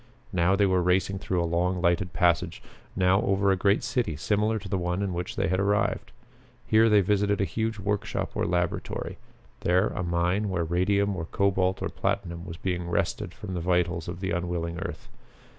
Now they were racing through a long lighted passage; now over a great city similar to the one in which they had arrived. Here they visited a huge workshop or laboratory; there a mine where radium or cobalt or platinum was being wrested from the vitals of the unwilling earth.